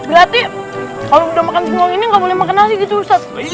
berarti kalau udah makan singkong ini gak boleh makan lagi gitu ustadz